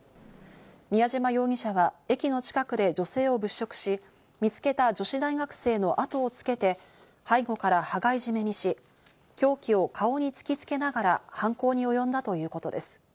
宮嶋容疑者は駅の近くで女性を物色し、見つけた女子大学生の後をつけて背後から羽交い締めにし、凶器を顔に突きつけながら犯行におよんだということです。